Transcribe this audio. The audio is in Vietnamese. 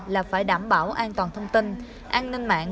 là phải đảm bảo an toàn thông tin an ninh mạng